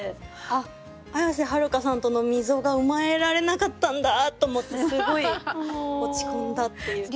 「あっ綾瀬はるかさんとの溝が埋められなかったんだ」と思ってすごい落ち込んだっていう。